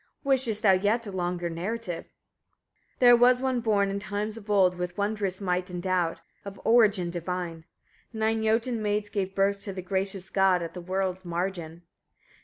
Wishest thou yet a longer narrative? 35. There was one born, in times of old, with wondrous might endowed, of origin divine: nine Jotun maids gave birth to the gracious god, at the world's margin.